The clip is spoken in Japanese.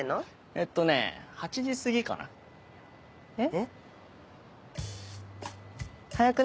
えっとね８時過ぎかな？え？早くね？